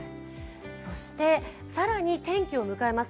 そして、さらに転機を迎えます。